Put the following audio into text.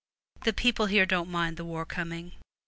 The people here don't mind the war coming.